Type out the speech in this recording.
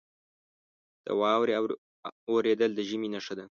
• د واورې اورېدل د ژمي نښه ده.